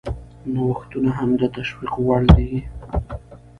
نوښتونه هم د تشویق وړ دي.